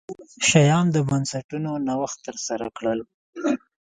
شیام د بنسټونو نوښت ترسره کړل.